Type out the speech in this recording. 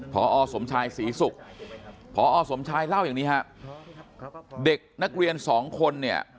พอสมชายศรีศุกร์พอสมชายเล่าอย่างนี้ฮะเด็กนักเรียนสองคนเนี่ย